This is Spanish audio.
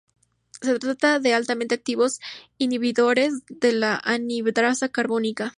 Se trata de altamente activos inhibidores de la anhidrasa carbónica.